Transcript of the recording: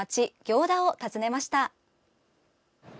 行田を訪ねました。